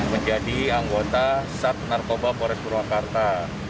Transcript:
menjadi anggota sat narkoba polres purwakarta